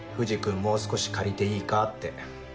もう少し借りていいかって。